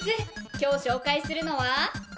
今日紹介するのはこちら！